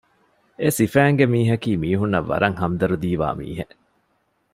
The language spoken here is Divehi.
އެސިފައިންގެ މީހަކީ މީހުނަށް ވަރަށް ހަމްދަރުދީވާ މީހެއް